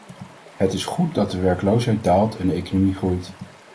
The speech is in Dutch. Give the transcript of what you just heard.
Het is goed dat de werkloosheid daalt en de economie groeit.